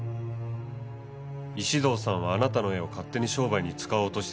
石堂さんはあなたの絵を勝手に商売に使おうとしてた。